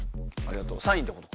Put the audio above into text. サインってこと？